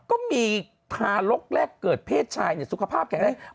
ก็มีทารกแรกเกิดเพศชายสุขภาพแข็งแรง